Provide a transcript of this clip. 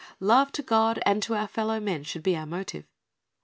Love to God and to our fellow men should be our motive.